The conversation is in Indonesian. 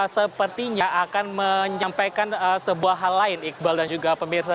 sepertinya akan menyampaikan sebuah hal lain iqbal dan juga pemirsa